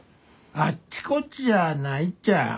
あっちこっちじゃないっちゃ。